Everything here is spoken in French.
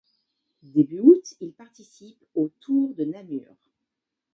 Début août, il participe au Tour de Namur.